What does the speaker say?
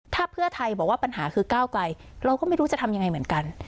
ถ้าเพื่อไทยบอกว่าปัญหาคือก้าวไกลเราก็ไม่รู้จะทำยังไงเหมือนกัน